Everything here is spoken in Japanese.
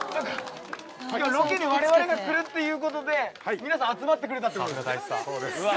今日はロケで我々が来るっていう事で皆さん集まってくれたって事ですね？